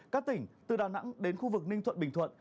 các tỉnh từ đà nẵng đến khu vực ninh thuận bình thuận